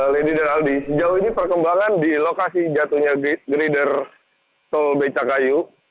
lady dan aldi sejauh ini perkembangan di lokasi jatuhnya grider tol becakayu